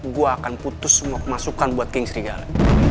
gue akan putus semua masukan buat king serigala